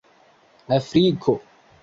Afriko